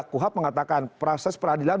kuhap mengatakan proses peradilan